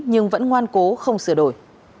nhưng vẫn ngoan cố không sửa đổi